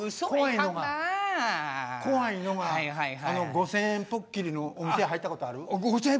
５，０００円ポッキリのお店入ったことある？